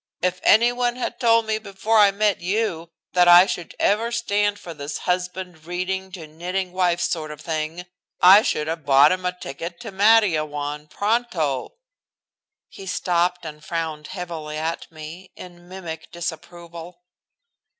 If anyone had told me before I met you that I should ever stand for this husband reading to knitting wife sort of thing I should have bought him a ticket to Matteawan, pronto." He stopped and frowned heavily at me, in mimic disapproval.